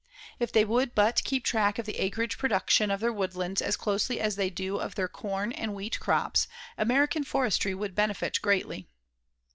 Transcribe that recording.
If they would but keep track of the acreage production of their woodlands as closely as they do of their corn and wheat crops, American forestry would benefit greatly.